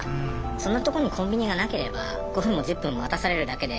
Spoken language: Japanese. そんなとこにコンビニがなければ５分も１０分も待たされるだけで。